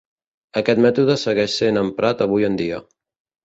Aquest mètode segueix sent emprat avui en dia.